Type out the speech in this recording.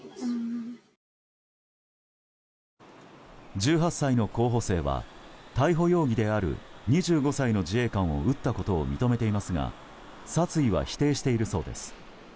１８歳の候補生は逮捕容疑である２５歳の自衛官を撃ったことを認めていますが殺意は否定しているそうです。